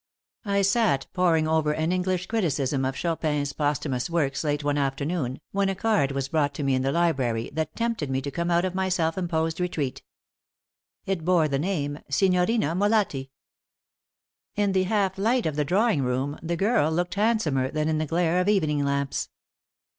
I sat poring over an English criticism of Chopin's posthumous works late one afternoon when a card was brought to me in the library that tempted me to come out of my self imposed retreat. It bore the name: SIGNORINA MOLATTI. In the half light of the drawing room, the girl looked handsomer than in the glare of evening lamps.